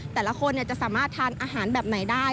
แต่ละคนจะสามารถทานอาหารแบบไหนได้